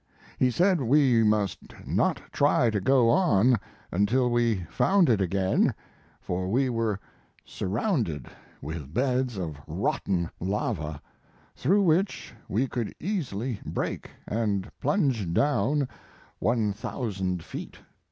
He said we must not try to go on until we found it again, for we were surrounded with beds of rotten lava, through which we could easily break and plunge down 1,000 feet.